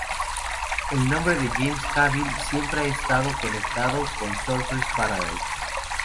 El nombre de James Cavill siempre ha estado conectado con Surfers Paradise.